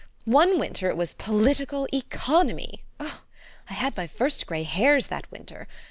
One winter it was political economy. I had my first gray hairs that winter.